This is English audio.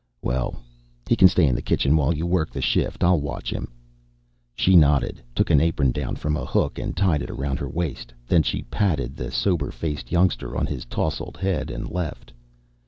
"Well, he can stay in the kitchen while you work the shift. I'll watch him." She nodded, took an apron down from a hook and tied it around her waist. Then she patted the sober faced youngster on his tousled head and left.